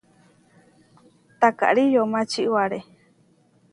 Taakári yomá čiwáre.